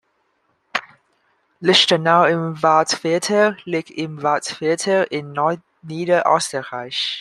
Lichtenau im Waldviertel liegt im Waldviertel in Niederösterreich.